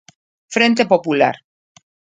Frente Popular.